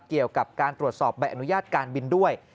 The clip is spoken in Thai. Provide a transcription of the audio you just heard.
เกี่ยวกับการตรวจสอบใบอนุญาตการบินด้วย